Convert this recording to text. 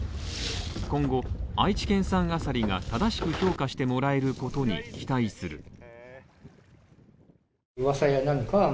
今後、愛知県産アサリが正しく評価してもらえることに期待する。